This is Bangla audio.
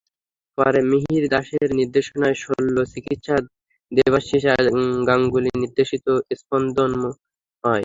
পরে মিহির দাসের নির্দেশনায় শল্য চিকিৎসা, দেবাশীষ গাঙ্গুলি নির্দেশিত স্পন্দন মঞ্চস্থ হয়।